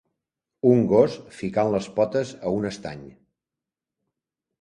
Un gos ficant les potes a un estany